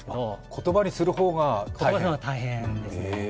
言葉にする方が大変ですね。